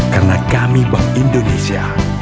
karena kami bapak indonesia